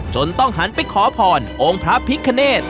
เข้าหันไปขอผ่อนองค์พระภิกข์คาเนต